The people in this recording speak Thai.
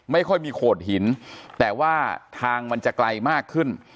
ไม่ค่อยมีโขดหินแต่ว่าทางมันจะไกลมากขึ้น